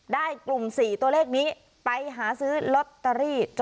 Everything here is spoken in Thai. กลุ่ม๔ตัวเลขนี้ไปหาซื้อลอตเตอรี่